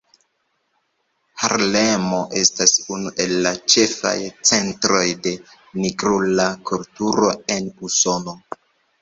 Harlemo estas unu el la ĉefaj centroj de nigrula kulturo en Usono.